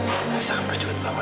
anissa akan berjaga jaga